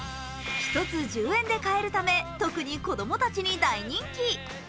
１つ１０円で買えるため、特に子供たちに大人気。